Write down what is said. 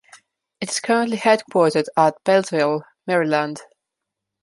It is currently headquartered at Beltsville, Maryland.